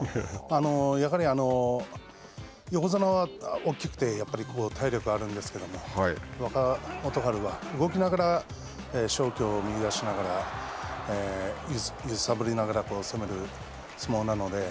やはり横綱は大きくてやっぱり体力があるんですけれども、若元春は動きながら勝機を見い出しながら揺さぶりながらの相撲なので。